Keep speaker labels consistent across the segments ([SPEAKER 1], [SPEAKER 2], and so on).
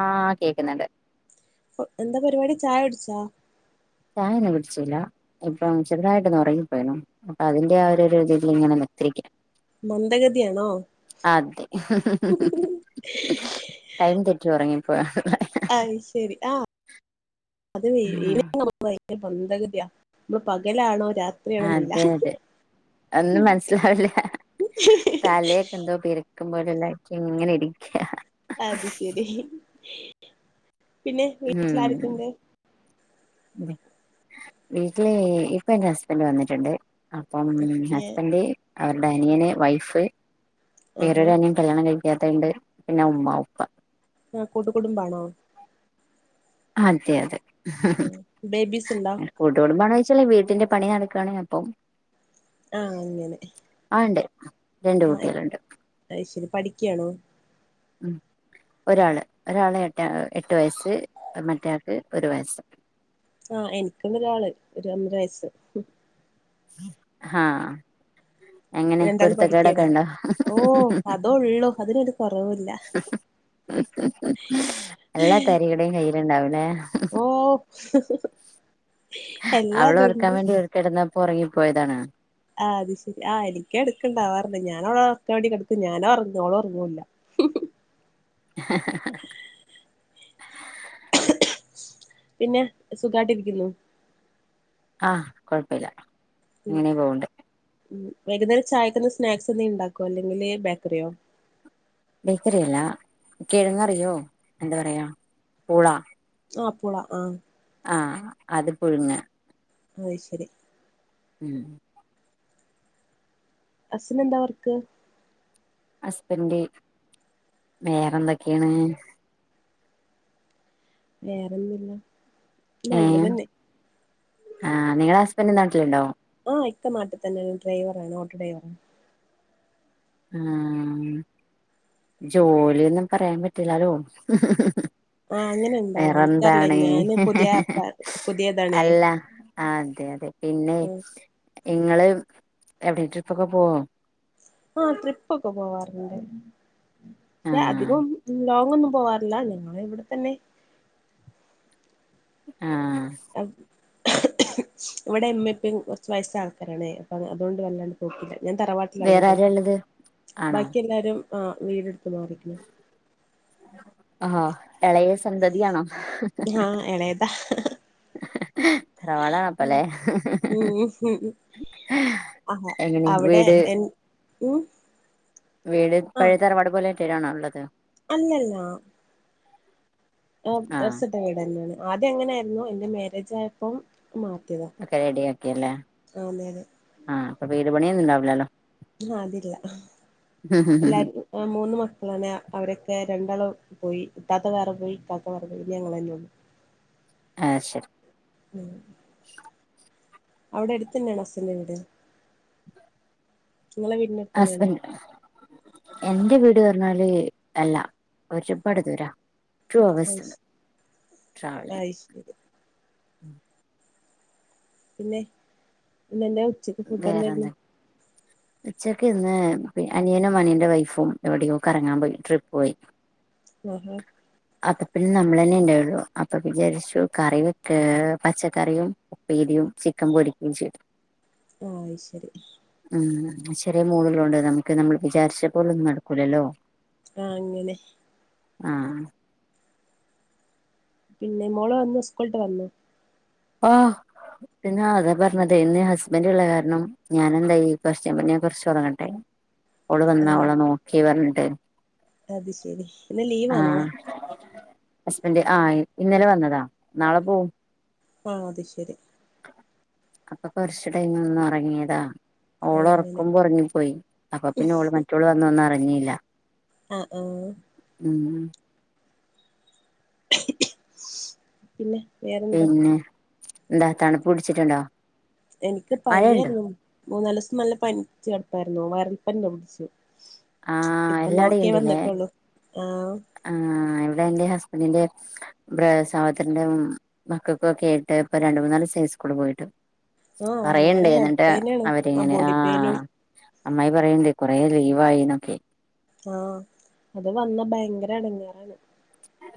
[SPEAKER 1] ആഹ കേക്കുന്നുണ്ട്
[SPEAKER 2] എന്താ പരിപാടി ചായ കുടിച്ചാ
[SPEAKER 1] ചായ ഒന്നും കുടിച്ചില്ല ഇപ്പൊ ചെറുതായിട്ടൊന്ന് ഉറങ്ങിപ്പോയിന്നു അപ്പൊ അതിന്റെ ആ രീതിൽ ഇങ്ങനെ [unintelligible]
[SPEAKER 2] മന്ദഗതിയാണ്
[SPEAKER 1] അതെ ടൈം തെറ്റി ഉറങ്ങി പോയ
[SPEAKER 2] അ ശരി ആ അത് മന്ദഗതിയാ നമ്മള് പകലാണോ രാത്രിയാണോ അറീല
[SPEAKER 1] അന്ന് മനസിലാവ് ല്ല താലി ക്കന്തോ പെർക്ക് ക്ക്പോല എല്ലായിറ്റും ഇങ്ങനെ ഇരിക്ക
[SPEAKER 2] അത് ശരി പിന്നെ വീട്ടിലാരോക്കെണ്ട്
[SPEAKER 1] അതെ വീട്ടില് ഇപ്പൊ എന്റെ ഹസ്ബൻന്റ് വന്നിട്ടുണ്ട് ആ അപ്പം
[SPEAKER 2] ഏ
[SPEAKER 1] ഹസ്ബൻന്റ് അവരുടെ അനിയന് വൈഫ്
[SPEAKER 2] ആഹാ
[SPEAKER 1] വേറൊരു അനിയൻ കല്യാണം കഴി ഏട്ടണ്ട് പിന്നെ ഉമ്മ ഉപ്പ
[SPEAKER 2] ആ കൂട്ടുകുടുംബാണോ
[SPEAKER 1] അതെ അതെ
[SPEAKER 2] ആ ബേബീസ് ഉണ്ടോ
[SPEAKER 1] കൂട്ടു കുടുംമ്പാണോ ചോയ് [unintelligible] വീട്ടിന്റെ പണി നടക്കുവാണേ അപ്പം
[SPEAKER 2] ആ അങ്ങനെ
[SPEAKER 1] ആ ഉണ്ട് രണ്ട് കുട്ടികളുണ്ട്
[SPEAKER 2] ആ ശരി പഠിക്കാണോ
[SPEAKER 1] ഉം ഒരാള് ഒരാള് എട്ട എട്ട് വയസ്സ് മറ്റയാൾക്ക് ഒരു വയസ്
[SPEAKER 2] ആ എനിക്കുണ്ട്ഒരാള് ഒരു ഒന്നര വയസ്സ്
[SPEAKER 1] ആഹ
[SPEAKER 2] രണ്ടാൾ പഠിക്കാണ് ഓ അതോ ഉള്ളു അതിനൊരു കൊറവുല്ല
[SPEAKER 1] എല്ലാ തരികിടയും കയ്യിലുണ്ട് അതു പിന്നെ
[SPEAKER 2] ഓ
[SPEAKER 1] അവള് ഉറക്കാൻ
[SPEAKER 2] എല്ലാതുണ്ട്
[SPEAKER 1] വേണ്ടി ഒർ കിടന്നപ്പോ ഉറങ്ങിപ്പോയതാണ്
[SPEAKER 2] ആഅത് ശരി ആ എനിക്ക് എടക്ക്‌ ണ്ടാവാറുണ്ട് ഞാന വളെ ഉറക്കാൻ വേണ്ടി കിടക്കും ഞാനോറങ്ങു അവള് ഉറങ്ങൂല്ല [unintelligible]
[SPEAKER 1] ഹ ഹ ഹ
[SPEAKER 2] പിന്നെ സുഖായിട്ടിരിക്കുന്നു
[SPEAKER 1] ആഹ കൊഴപ്പമില്ല
[SPEAKER 2] ഉം
[SPEAKER 1] ഇങ്ങനെ പോവണ്ട്
[SPEAKER 2] ഉം വൈകുന്നേരം ചായക്കുള്ള സ്നാക്സ് എന്തേലും ഉണ്ടാക്കോ അല്ലെങ്കില് ബേക്കറിയോ
[SPEAKER 1] ബേക്കറിയല്ലാ കിഴങ്ങറിയോ എന്താ പറയാ പൂളാ
[SPEAKER 2] ആ പൂളാ ആ
[SPEAKER 1] ആഹ അത് പുഴുങ്ങ
[SPEAKER 2] അയ് ശരി
[SPEAKER 1] ഉം
[SPEAKER 2] ഹസ്സ്ന്ന് എന്താ വർക്ക്
[SPEAKER 1] ഹസ്ബൻഡ് വേറെന്തൊക്കെയാണ്
[SPEAKER 2] വേറേ ഒന്നുല്ല
[SPEAKER 1] ഏഹ്
[SPEAKER 2] നല്ലതന്നെ
[SPEAKER 1] ആഹ് നിങ്ങളെ ഹസ്ബൻഡ് നാട്ടിലുണ്ടോ
[SPEAKER 2] ആഹ ഇ മാട്ടിൽ തന്നെ ഡ്രൈവറ ആണ് ഓട്ടോ ഡ്രൈവറ..
[SPEAKER 1] ആ ജോലിയൊന്നും പറയാൻ പറ്റില്ലാലോ..
[SPEAKER 2] ആഹ് അങ്ങനെണ്ടോ എനിക്കറില്ല
[SPEAKER 1] വേറെന്താണ്
[SPEAKER 2] ഞാന് പുതിയ ആപ്പാ പുതിയതാണേ
[SPEAKER 1] അല്ല ആ അതെ അതെ പിന്നെ
[SPEAKER 2] ആഹ്
[SPEAKER 1] ഇങ്ങള് എവിടെ ട്രിപ്പൊക്കെ പോവോ.
[SPEAKER 2] ആ ട്രിപ് ഒക്കെ പോവാറുണ്ട് പക്ഷെ
[SPEAKER 1] ആഹ്
[SPEAKER 2] അധികം ലോങ് ഒന്നും.. പോവാറില്ല ഞങ്ങളിവിടെത്തന്നെ...
[SPEAKER 1] ആഹ്
[SPEAKER 2] ഇവിടെ എമ്മപ്പം കുറച്ച് വയസ ആൾക്കാരാണ്.. അപ്പൊ അതുകൊണ്ട് വല്ലാണ്ട് പോക്കില്ല.. ഞാൻ
[SPEAKER 1] വേറെ
[SPEAKER 2] തറവാട്ടിലാള്ളത്
[SPEAKER 1] ആരാ ഇള്ളത് ആണോ
[SPEAKER 2] ബാക്കി എല്ലാരും.. ആഹ വീടെടുത്ത് മാറിക്ണ്
[SPEAKER 1] ഇളയ സന്തതിയാണോ
[SPEAKER 2] ആഹ എളയതാ.
[SPEAKER 1] തറവാടാണപ്പല്ലേ
[SPEAKER 2] ആഹ
[SPEAKER 1] എങ്ങനെ
[SPEAKER 2] അവിടെ
[SPEAKER 1] വീട്
[SPEAKER 2] എ ൻ
[SPEAKER 1] വീട് പഴെ തറവാട് പോലെ [unintelligible] ള്ളത്..
[SPEAKER 2] അല്ലല്ല ആ
[SPEAKER 1] ആഹ്
[SPEAKER 2] ദ്രസിട്ട വീടന്നെയാണ് ആദ്യം അങ്ങനായ്ര്ന്നു എന്റെ മാരേജ് ആയപ്പം. മാറ്റിയതാ
[SPEAKER 1] ഒക്കെ റെഡി ആക്കില്ലേ
[SPEAKER 2] ആഹ് അതെ അതെ
[SPEAKER 1] ആഹ് അപ്പൊ വീട് പണിയൊന്നും ഉണ്ടാവില്ലല്ലോ.
[SPEAKER 2] ആ അതില്ല എല്ലാരും മൂന്ന് മക്കളാണ് അവരൊക്കെ രണ്ടാളം പോയി ഇത്താത്ത വേറെ പോയി ഇത്ത വേറെ പോയി ഇനി ഞങ്ങളന്നെള്ളൂ..
[SPEAKER 1] ആ ശരി.
[SPEAKER 2] അവിടെ അടുത്തന്നാണോ ഹസ്സിന്റെ വീട് നിങ്ങളെ വീടിന്റെ അടുത്തന്നെയാണോ
[SPEAKER 1] ഹസ്ബൻഡ് എന്റെ വീട്.. ട് ർഞ്ഞാല് അല്ല ഒരുപാട് ദൂരാ ടു
[SPEAKER 2] അയ്ശ്
[SPEAKER 1] അവേഴ്സ്ണ്ട് ട്രാവൽ യ്യാൻ
[SPEAKER 2] അയ്ശരി പിന്നെ പിന്നന്ന ഉച്ചക്ക് ഫുഡ് എന്താരുന്നു..
[SPEAKER 1] വേറെന്താ ഉച്ചക്ക് ഇന്ന് അനിയനും അനിയന്റെ വൈഫും എവിടെയോ കറങ്ങാൻ പോയി ട്രിപ്പ് പോയി
[SPEAKER 2] ആഹ
[SPEAKER 1] അപ്പൊ പിന്നെ നമ്മൾ തന്നെ ഉണ്ടാവുള്ളു അപ്പൊ വിചാരിച്ചു കറി വെക്ക പച്ചക്കറിയും ഉപ്പേരി. യും ചിക്കൻ പൊരിക്കും ചെയ്തു
[SPEAKER 2] ആഹ ശരി
[SPEAKER 1] ഉം ശെറ്യേ മോള് ള്ളോണ്ട് നമുക്കെ നമ്മൾ വിചാരിച്ച പോലൊന്നും നടക്കൂലല്ലോ.
[SPEAKER 2] ആ.. അങ്ങനെ..
[SPEAKER 1] ആ...
[SPEAKER 2] പിന്നെ മോള് വന്നൊ സ്കൂള്ട്ട് വന്ന
[SPEAKER 1] ആഹ് പിന്ന അതാ പർഞ്ഞത് ഇന്ന് ഹസ്ബൻറ്ള്ള കാരണം ഞാനെന്തായി [unintelligible] കൊർചൊറങ്ങട്ടെ അവള് വന്ന
[SPEAKER 2] ആഹ്
[SPEAKER 1] അവളെ നോക്കി പർഞ്ഞിട്ട്
[SPEAKER 2] അത് ശെരി ന്ന് ലീവാണോ..
[SPEAKER 1] ഹസ്ബൻഡറ് ആ ഇന്നലെ വന്നതാ നാളെ പോവും
[SPEAKER 2] ആ അത് ശരി
[SPEAKER 1] അപ്പൊ കൊറച്ചു ടൈം ഒന്നു ഉറങ്ങിയതാ ഓൾ
[SPEAKER 2] അങ്ങനെ
[SPEAKER 1] ഉറക്കുമ്പോ ഉറങ്ങിപ്പോയി അപ്പൊ പിന്നെ ഓള് മറ്റോള് വന്നൊന്നും അറിഞ്ഞില്ല..
[SPEAKER 2] ആഹ് ആഹ്
[SPEAKER 1] ഉം..
[SPEAKER 2] പിന്നെ വേറെന്താ
[SPEAKER 1] പിന്നെ എന്താ തണുപ്പ് പിടിച്ചിട്ടുണ്ടോ
[SPEAKER 2] എനിക്ക്
[SPEAKER 1] മഴയുണ്ടോ
[SPEAKER 2] പനിയായിരുന്നു മൂന്നാല് ദിവസം നല്ല പനിച്ച് കിടപ്പായിരുന്നു വൈറൽപ്പനി പിടിച്ചു..
[SPEAKER 1] ആ
[SPEAKER 2] ഇപ്പൊന്ന്
[SPEAKER 1] എല്ലാടെയും
[SPEAKER 2] ഓക്കെ
[SPEAKER 1] ഇണ്ടില്ലേ
[SPEAKER 2] വന്നിട്ടുള്ളൂ ആഹ്
[SPEAKER 1] ആ ഇവിടെ എന്റെ ഹസ്ബന്റ അന്നന്റെ ബ്ര സഹദന്റെ മക്കൾക്കും ഒക്കെ ആയിട്ട് ഇപ്പ രണ്ട മൂന്നാല് ദിവസ സ്കൂള് പോയിട്ട്
[SPEAKER 2] ആഹ് ഭയങ്കര
[SPEAKER 1] പറയണ്ടേ
[SPEAKER 2] ഹെഡ്
[SPEAKER 1] എന്നിട്ട്
[SPEAKER 2] പെയിനാണ് ആഹ്
[SPEAKER 1] അവരിങ്ങനെ ആ.
[SPEAKER 2] ബോഡി പെയിനും
[SPEAKER 1] അമ്മായി പറയ്ണ്ട് കൊറെ ലീവായിന്നൊക്കെ
[SPEAKER 2] ആഹ് അത് വന്ന ഭയങ്കര എടങ്ങേറാണ്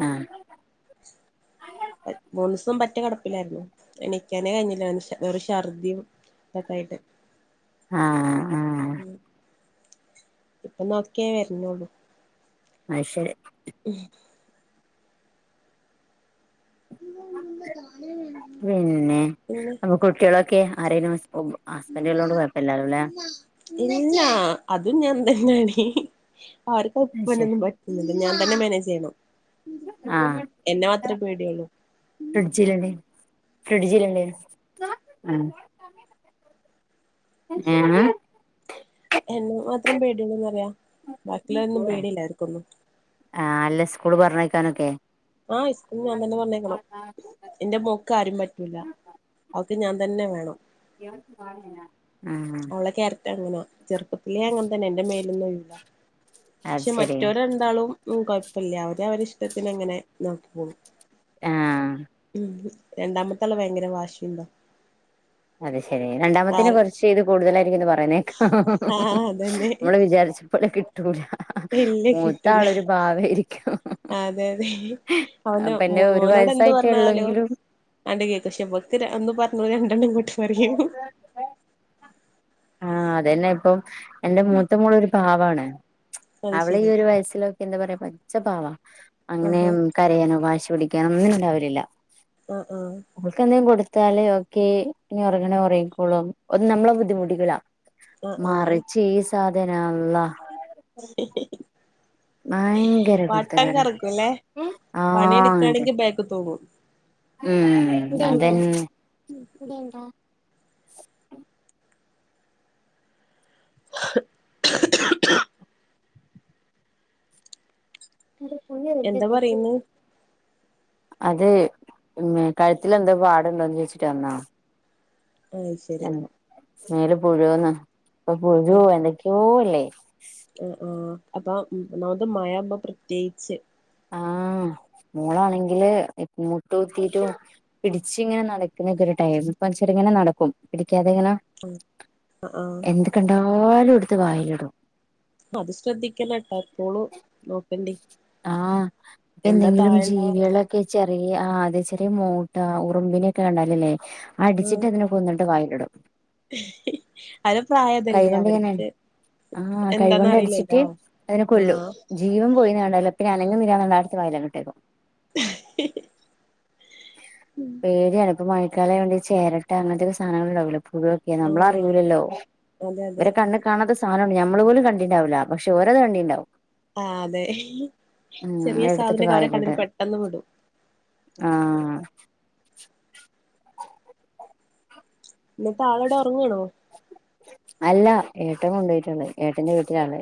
[SPEAKER 1] ആ
[SPEAKER 2] മൂന്നിസം പറ്റെ കിടപ്പിലായിരുന്നു എനിക്കാനേ കഴിഞ്ഞില്ല വെറും ഷർദിയും തതായിട്ട് [unintelligible]
[SPEAKER 1] ആഹ ആഹ
[SPEAKER 2] ഇപ്പൊ നോക്കിയ വരഞ്ഞോളൂ
[SPEAKER 1] ആഹ് ശരി പിന്നെ
[SPEAKER 2] പിന്നെ
[SPEAKER 1] അപ കുട്ടികളൊക്കെ ആരെനു [unintelligible]
[SPEAKER 2] ഇല്ല അതും ഞാൻ തന്നെയാണ് അവർക്ക്പ്പനൊന്നും പറ്റുന്നില്ല ഞാൻ തന്നെ മാനേജ് ചെയ്യണം
[SPEAKER 1] ആഹ
[SPEAKER 2] എന്നെ മാത്രമേ പേടിയുള്ളൂ
[SPEAKER 1] ഫ്രിഡ്ജില് [unintelligible] ഫ്രിഡ്ജിലുണ്ടേനൂ [unintelligible] [inaudible] ഏം
[SPEAKER 2] എന്നെ മാത്രം പേടിയൂള്ളൂന്ന് പറയ ബാക്കിയുള്ളൊരൊന്നും പേടിയില്ലാവർക്കൊന്നും
[SPEAKER 1] ആ അല്ല സ്കൂള് പറഞ്ഞയക്കാനൊക്കെ
[SPEAKER 2] ആഹ് ഇസ്കൂളി ഞാൻ തന്നെ പറഞ്ഞേക്കണം എന്റെ മോക്ക് ആരും പറ്റൂല അവക്ക് ഞാൻ തന്നെ വേണം
[SPEAKER 1] [unintelligible] [inaudible]
[SPEAKER 2] അവളെ കേരറ്റ് അങ്ങനാ ചെർ [unintelligible] പ്പത്തിലേ അങ്ങനതന്നെ എന്റെ മേലൊന്നൊയൂല
[SPEAKER 1] അത്
[SPEAKER 2] പക്ഷെ
[SPEAKER 1] ശരി
[SPEAKER 2] മറ്റോര്ണ്ടാളും ഉ കൊഴപ്പില്ല അവര് അവരിഷ്ടത്തിന് അങ്ങനെ നോക്കി പോകും
[SPEAKER 1] ആഹ
[SPEAKER 2] രണ്ടാമത്തെ ആള് ഭയങ്കെര വാശിയുണ്ടോ
[SPEAKER 1] അതെ ശെരിയാ രണ്ടാമത്തിന് കുറച്ച് ഇത് [unintelligible] കൂടുതലായിരിക്കുംന്ന് പറയുന്നേക്ക
[SPEAKER 2] ആഹ് അതന്നെ
[SPEAKER 1] നമ്മള് വിചാരിച്ചപ്പോലെ കിട്ടൂല
[SPEAKER 2] ഇല്ല
[SPEAKER 1] മൂത്ത
[SPEAKER 2] കിട്ടൂല
[SPEAKER 1] ആളൊരു പാവയ്ര്ക്കും
[SPEAKER 2] അതെ അതെ അവന
[SPEAKER 1] ഒരു
[SPEAKER 2] മോനോട് എന്ത്
[SPEAKER 1] വയസ്സായിട്ടേ
[SPEAKER 2] പറഞ്ഞാലും
[SPEAKER 1] ഉള്ളെങ്കിലും
[SPEAKER 2] അണ്ട കേക്കക്ഷെ [unintelligible] ഒരിക്ക ഒന്ന് പറഞ്ഞ പോ രണ്ടെണ്ണം ഇങ്ങോട്ട് പറിയൂ
[SPEAKER 1] ആഹ അതന്നെ ഇപ്പം എന്റെ മൂത്ത മോളൊരു പാവാണ്
[SPEAKER 2] അത്
[SPEAKER 1] അവള് ഈ
[SPEAKER 2] ശരി
[SPEAKER 1] ഒരു വയസ്സിലൊക്കെ എന്താ പറയാ പച്ച പാവാ അങ്ങനെ
[SPEAKER 2] ആഹാ
[SPEAKER 1] കരയാനോ വാശി പിടിക്കാനൊ ഒന്നിനു ണ്ടാവലില്ല
[SPEAKER 2] ആഹ് ആഹ്
[SPEAKER 1] ഇവക്ക് എന്ത് [unintelligible] ത്താലേ ഓക്കെ ഇനി ഉറങ്ങണേ ഉറങ്ങിക്കോളും ഒ [unintelligible] നമ്മളെ ബുദ്ധിമുട്ടിക്കൂല
[SPEAKER 2] ആഹ് ആഹ്
[SPEAKER 1] മറിച്ച് ഈ സാധനാ അല്ലാഹ്
[SPEAKER 2] [unintelligible]
[SPEAKER 1] ഭയങ്കര
[SPEAKER 2] വട്ടം
[SPEAKER 1] കൊര്ത്തക്കെടാ
[SPEAKER 2] കറക്കുംല്ലേ
[SPEAKER 1] ആആആഹ് അതെ
[SPEAKER 2] പണിയെടുക്കാണെങ്കി ബാക്ക് തൂങ്ങും
[SPEAKER 1] ഉം അതന്നെ [unintelligible] [inaudible]
[SPEAKER 2] [unintelligible] [inaudible] എന്താ പറയുന്നു
[SPEAKER 1] അതെ കഴുത്തിലെന്തോ പാടുണ്ടോന്ന് ചോദിച്ചിട്ടന്നാ
[SPEAKER 2] അയ് ശരി
[SPEAKER 1] മേല് പുഴുവന്ന് ഇപ്പ പുഴു എന്തൊക്കോല്ലേ
[SPEAKER 2] ആ ആഹ അപ്പൊ ഒന്നാമത് മഴാമ്പോ പ്രത്യേച്ച്
[SPEAKER 1] ആ മോളാണെങ്കില് മുട്ടുത്തിട്ടും പിടിച്ചിങ്ങനെ നടക്കുന്നക്ക ഒരു ടൈം ഇപ്പെചെർ [unintelligible] നടക്കും പിടിക്കാതെ ഇങ്ങനാ
[SPEAKER 2] ആഹ് ആഹ്
[SPEAKER 1] എന്ത് കണ്ടാലും എടുത്ത് വായിലിടും
[SPEAKER 2] അത് ശ്രദ്ധിക്കണാട്ടാ എപ്പോളും നോക്കണ്ടി
[SPEAKER 1] ആ ഇപ്പൊ
[SPEAKER 2] എന്താ
[SPEAKER 1] എന്തെങ്കിലും
[SPEAKER 2] താഴെ ഉണ്ടാവാറില്ല
[SPEAKER 1] ജീവികളൊക്കെ ച [unintelligible] [inaudible] ആ അത ചെറിയ മൂട്ട ഉറുമ്പിനൊക്കെ കണ്ടാലില്ലേ അടിച്ചിട്ട് അതിനെ കൊന്നിട്ട് വായി [unintelligible]
[SPEAKER 2] അത് പ്രായത്തിൻ്റെ അവർക്ക്
[SPEAKER 1] ആ
[SPEAKER 2] എന്താന്ന്
[SPEAKER 1] കൈകൊണ്ട് അടിച്ചിട്ട്
[SPEAKER 2] അറിയില്ലല്ലോ
[SPEAKER 1] അതിനെ കൊല്ലു
[SPEAKER 2] ആഹ്
[SPEAKER 1] ജീവൻ പോയിണാ ലേ പിന്നെ അനങ്ങിലും വരാൻല്ല അടു വല കട്ടക്കും [unintelligible]
[SPEAKER 2] ഹ്
[SPEAKER 1] പേട്യാണ് ഇപ്പപ്പോ മഴക്കാലം ആയോണ്ട് ചേരട്ട അങ്ങനത്തെക്കെ സാധനങ്ങൾ ഉണ്ടാകുമല്ലോ പുഴൊക്കെയാണ് നമ്മള
[SPEAKER 2] ആഹ്
[SPEAKER 1] അറിയൂലല്ലോ
[SPEAKER 2] അതെ അതെ
[SPEAKER 1] ഇവരെ കണ്ണ് കാണാത്ത സാനാണ് ഞമ്മള് പോലും കണ്ടിണ്ടാവില്ല പക്ഷ ഓരത് കണ്ടി ണ്ടാവും
[SPEAKER 2] ആ അതെ
[SPEAKER 1] ഉം
[SPEAKER 2] ചെറിയ
[SPEAKER 1] എടുത്തിട്ട്
[SPEAKER 2] സാധനൊക്കെ അവരെ കണ്ണിൽ
[SPEAKER 1] കായിലിട്ട്
[SPEAKER 2] പെട്ടെന്ന് പെടും
[SPEAKER 1] ആഹ [inaudible]
[SPEAKER 2] ന്ന്ട്ട് ആളെട ഒറങ്ങാണോ
[SPEAKER 1] അല്ല ഏട്ടൻ കൊണ്ടു പോയിട്ടുണ്ട് ഏട്ടന്റെ വീട്ടിലാണുള്ളേ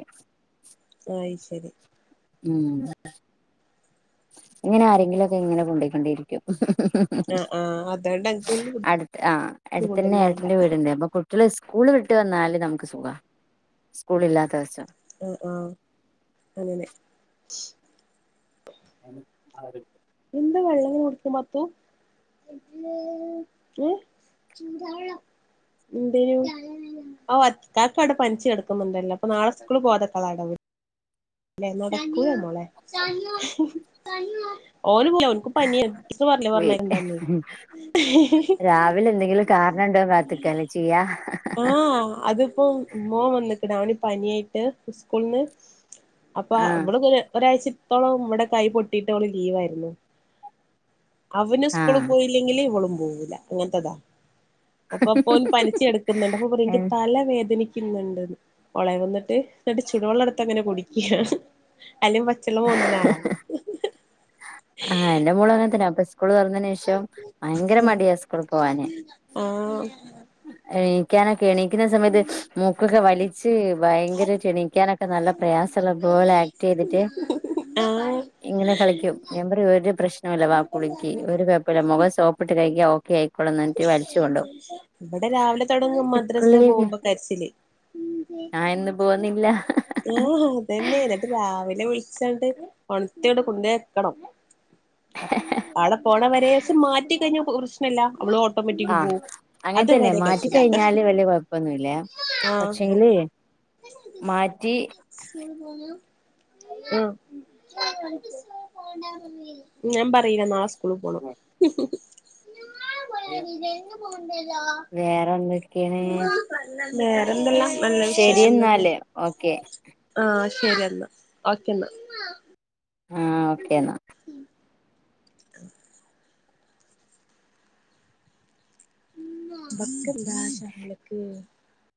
[SPEAKER 2] ആയി ശരി
[SPEAKER 1] ഉം ഇങ്ങനെ ആരെങ്കിലുമൊക്കെ ഇങ്ങനെ കൊണ്ടോയിക്കൊണ്ടിരിക്കും
[SPEAKER 2] ആ ആ അതുകൊണ്ട് അനക്ക് വലിയ
[SPEAKER 1] അടുത്ത് ആ അടുത്ത് തന്നെ
[SPEAKER 2] ബുദ്ധിമുട്ടുണ്ടാവില്ല
[SPEAKER 1] ഏട്ടന്റെ വീടുണ്ട് അപ്പൊ കുട്ടികള സ്കൂള് വിട്ട് വന്നാല് നമുക്ക് സുഖ സ്കൂളില്ലാത്ത ദിവസം
[SPEAKER 2] ആ ആ അങ്ങനെ [inaudible]
[SPEAKER 1] [unintelligible]
[SPEAKER 2] എന്താ വെള്ളങ്ങ കൊടുക്ക പാത്തു [unintelligible] ഉം [unintelligible] എന്തേനും ആ അക്കക്ക് അവിടെ പനിച്ചെടുക്കുന്നുണ്ടല്ലോ അപ്പൊ നാളെ സ്കൂള് പോകാത്ക്കാള്ളടവ് അല്ല നോ [unintelligible] മോളെ [unintelligible] ഓര് പോല അവനിക്ക് പനി എ പറില്ലേ
[SPEAKER 1] വീ
[SPEAKER 2] പറഞ്ഞണ്ടാന്ന [unintelligible]
[SPEAKER 1] ണ്ട പാത്തക്കല്ലേ ചെയ്യാ
[SPEAKER 2] ഓ അതിപ്പോ മോൻ വന്നേക്കടാ അവന് പനിയായിട്ട് ഉസ്കൂളിന്ന് അപ്പൊ
[SPEAKER 1] ആഹ്
[SPEAKER 2] അവള്‌ങന ഒരാഴ്ച ഇത്തോളം നമ്മടെ കൈ പൊട്ടിട്ടോള് ലീവായിരുന്നു അവന് ഉസ്കൂള
[SPEAKER 1] ആഹ്
[SPEAKER 2] പോയില്ലെങ്കില് ഇവളും പോവൂല അങ്ങനത്തെതാ. അപ്പൊ പ്പോൻ പനിച്ചെടു ന്നുണ്ട് അപ്പോ പറെ ന്ക്ക് തല വേദന ക്കുന്നുണ്ട് ഒളെ വന്നിട്ട് ന്നിട്ട് ചുടുവെള്ളം എടുത്ത് അങ്ങനെ കുടിക്കുകയാണ്
[SPEAKER 1] ആ എന്റെ മോളുങ്ങനെ തന്നെ അപ്പ ഉസ്കൂൾ തുറന്നതിന് ശേഷം ഭയങ്കര മടിയാ സ്കൂള് പോവാന്
[SPEAKER 2] ആഹ്
[SPEAKER 1] എഴുന്നേ [unintelligible] എണിക്കുന്ന സമയത്ത് മൂക്കൊക്കെ വലിച്ച് ഭയങ്കരറ്റ് ണീക്കാനൊക്കെ നല്ല പ്രയാസമള്ള പോലെ ആക്ട് ചെയ്തിട്ട്
[SPEAKER 2] ആ
[SPEAKER 1] ഇങ്ങനെ കളിക്കും ഞാൻ പറയു ഒരു പ്രശ്നം ഇല്ല വാ കുളിക്ക് ഒരു കൊയപ്പല്ല മൊഖം സോപ്പിട്ട് കഴിക്കോ ക്ക ആയിക്കോള്ള എന്നിട്ട് വലിച്ചോണ്ടോ
[SPEAKER 2] ഇവിടെ രാവിലെ തുടങ്ങും മദ്രാസ പോകുമ്പോ കരച്ചില്
[SPEAKER 1] ഞാൻ ഇന്ന് പോന്നില്ല
[SPEAKER 2] ആ അട്ടില [unintelligible] രാവിലെ വിളിച്ചണ്ട് ഒണത്തോടെ കൊണ്ടേ വക്കണം ആളെ പോണ വരം മാറ്റി കഴിഞ്ഞ പ്രശ്നല്ല അവളും ഓട്ടോമാറ്റിക്ക് പോകും
[SPEAKER 1] അങ്ങനത്തന്നെ മാറ്റിക്കഴിഞ്ഞാല് വലിയ കൊഴപ്പൊന്നുമല്ല
[SPEAKER 2] ആഹ്
[SPEAKER 1] പക്ഷെങ്കില് മാറ്റി
[SPEAKER 2] സണ പോോലൂ [unintelligible] ആ ഞാൻ പറയില്ല സ്കൂളിൽ പോണം [unintelligible]
[SPEAKER 1] വേറെന്തൊക്കെയാണ്
[SPEAKER 2] വേറെന്തെല്ലാം നല്ല
[SPEAKER 1] ശരി
[SPEAKER 2] വിശേഷം തന്നെ
[SPEAKER 1] എന്നാലേ ഓക്കേ
[SPEAKER 2] ആഹ് ശരിയെന്നാ ഓക്കെ എന്നാ
[SPEAKER 1] ആഹ് ഓക്കെ എന്നാ
[SPEAKER 2] ആ [inaudible] [unintelligible]